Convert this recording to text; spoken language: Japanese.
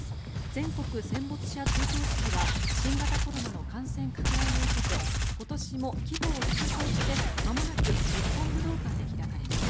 全国戦没者追悼式は新型コロナの感染拡大を受けて今年も規模を縮小してまもなく日本武道館で開かれます。